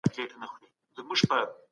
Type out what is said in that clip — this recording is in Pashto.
د هغې پایله نن وغږېده.